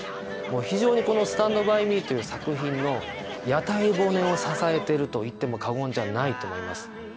非常にこの『スタンド・バイ・ミー』という作品の屋台骨を支えてると言っても過言じゃないと思います。